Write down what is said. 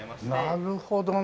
なるほどね。